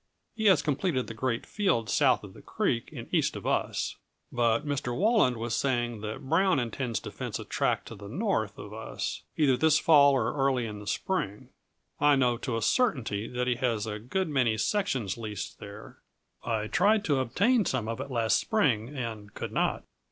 He has completed the great field south of the creek and east of us. But Mr. Walland was saying that Brown intends to fence a tract to the north of us, either this fall or early in the spring. I know to a certainty that he has a good many sections leased there. I tried to obtain some of it last spring and could not."